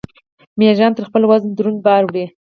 میږیان تر خپل وزن دروند بار وړي